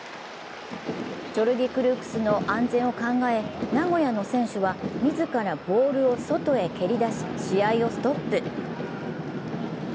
ジョルディ・クルークスの安全を考え、名古屋の選手は自らボールを外へ蹴り出し試合をストップ。